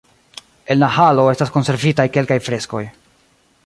En la halo estas konservitaj kelkaj freskoj.